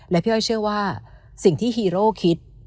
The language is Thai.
และพี่อ้อยเชื่อว่าสิ่งที่ฮีโร่คิด